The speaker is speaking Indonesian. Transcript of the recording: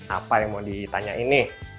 apa yang mau ditanyain nih